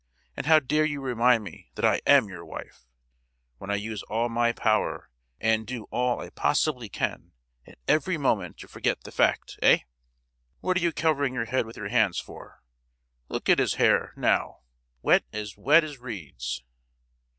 And how dare you remind me that I am your wife, when I use all my power and do all I possibly can at every moment to forget the fact, eh? What are you covering your head with your hands for? Look at his hair—now: wet, as wet as reeds!